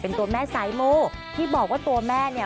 เป็นตัวแม่สายมูที่บอกว่าตัวแม่เนี่ย